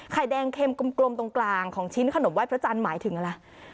ไข่แดงเค็มกลมตรงกลางของชิ้นขนมไห้พระจันทร์หมายถึงอะไร